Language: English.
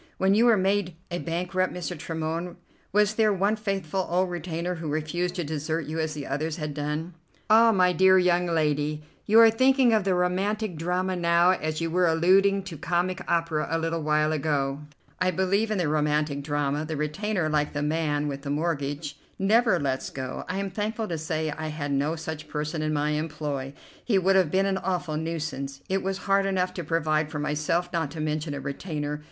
When you were made a bankrupt, Mr. Tremorne, was there one faithful old retainer who refused to desert you as the others had done?" "Ah, my dear young lady, you are thinking of the romantic drama now, as you were alluding to comic opera a little while ago. I believe, in the romantic drama, the retainer, like the man with the mortgage, never lets go. I am thankful to say I had no such person in my employ. He would have been an awful nuisance. It was hard enough to provide for myself, not to mention a retainer.